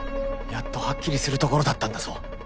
やっとはっきりするところだったんだぞ。